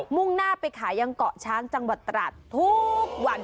่งหน้าไปขายยังเกาะช้างจังหวัดตราดทุกวัน